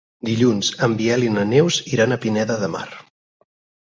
Dilluns en Biel i na Neus iran a Pineda de Mar.